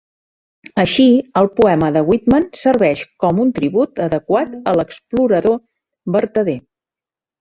Així, el poema de Whitman serveix com un tribut adequat a l'explorador vertader.